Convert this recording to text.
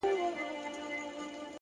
مهرباني د زړه ژبه ده,